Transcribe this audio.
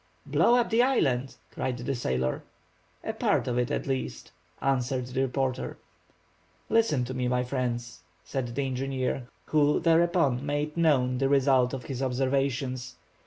"Blow up the island?" cried the sailor. "A part of it, at least," answered the reporter. "Listen to me, my friends," said the engineer, who thereupon made known the result of his observations.